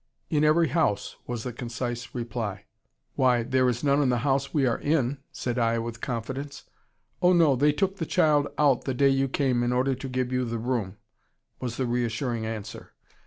"In every house," was the concise reply. "Why, there is none in the house we are in," said I with confidence. "Oh, no, they took the child out the day you came in order to give you the room," was the reassuring answer.